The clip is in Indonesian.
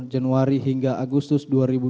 januari hingga agustus dua ribu dua puluh